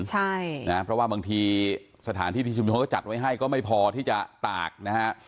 ใช่นะเพราะว่าบางทีสถานที่ที่ชุมชนเขาจัดไว้ให้ก็ไม่พอที่จะตากนะฮะ